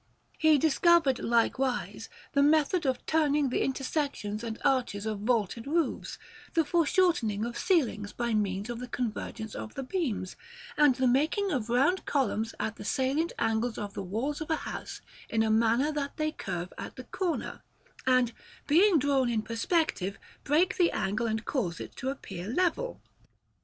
He discovered, likewise, the method of turning the intersections and arches of vaulted roofs; the foreshortening of ceilings by means of the convergence of the beams; and the making of round columns at the salient angle of the walls of a house in a manner that they curve at the corner, and, being drawn in perspective, break the angle and cause it to appear level.